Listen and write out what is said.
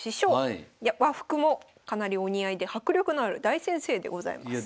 和服もかなりお似合いで迫力のある大先生でございます。